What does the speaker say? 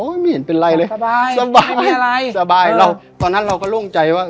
โอ้ยไม่เห็นเป็นไรเลยสบายสบายไม่มีอะไรสบายแล้วตอนนั้นเราก็ล่วงใจว่า